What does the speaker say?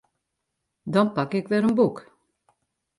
Dan pak ik wer in boek.